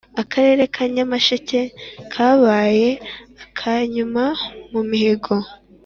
Akarere ka Nyamasheke kabaye akanyuma mu mihigo